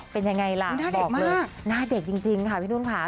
เป็นยังไงล่ะบอกเลยหน้าเด็กจริงค่ะพี่นุ่นค่ะ